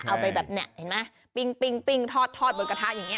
เอาไปแบบนี้เห็นไหมปิ้งทอดบนกระทะอย่างนี้